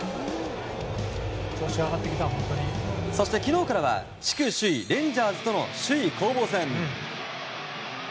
そして、昨日からは地区首位レンジャーズとの首位攻防戦。